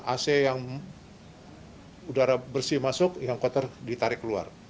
ac yang udara bersih masuk yang kotor ditarik keluar